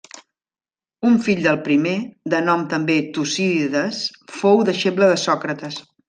Un fill del primer, de nom també Tucídides, fou deixeble de Sòcrates.